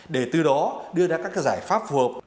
để từ đó đưa ra các giải pháp phù hợp